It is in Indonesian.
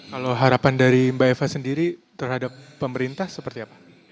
kalau harapan dari mbak eva sendiri terhadap pemerintah seperti apa